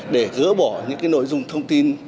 để gỡ bỏ những nội dung thông tin